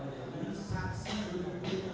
masih mau berangkat